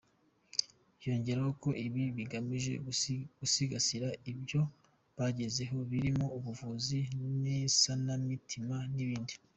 Yongeyeho ko ibi bigamije gusigasira ibyo bagezeho birimo ubuvuzi n’isanamitima n’ibindi.